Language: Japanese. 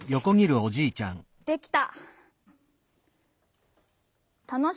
できた。